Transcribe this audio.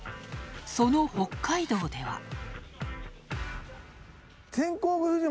その北海道では。